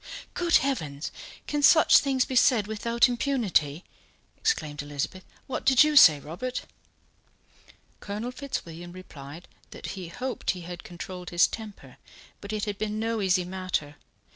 "Good heavens! can such things be said without impunity?" exclaimed Elizabeth. "What did you say, Robert?" Colonel Fitzwilliam replied that he hoped he had controlled his temper, but it had been no easy matter.